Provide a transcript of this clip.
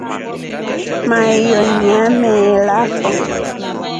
Maiyo nyameelafo.